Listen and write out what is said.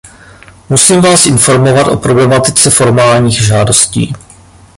Musím vás informovat o problematice formálních žádostí.